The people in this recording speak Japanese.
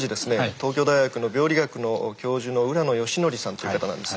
東京大学の病理学の教授の浦野順文さんという方なんです。